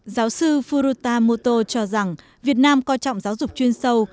giáo sư furuta moto cho rằng việt nam coi trọng giáo dục chuyên sâu